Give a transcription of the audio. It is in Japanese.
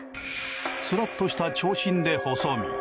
すらっとした長身で細身。